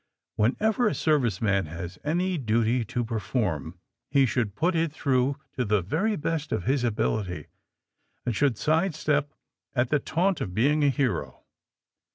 Whenever a service man has any duty to per form he should put it through to the very best of his ability, and should side step at the taunt of being a hero.